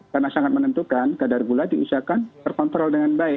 karena sangat menentukan kadar gula diusahakan terkontrol